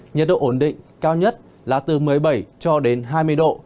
nhiệt độ ổn định cao nhất là từ một mươi bảy cho đến hai mươi độ